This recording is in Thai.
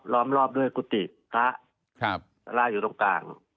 รอบด้วยกุฏิพระสาราอยู่ตรงกลาง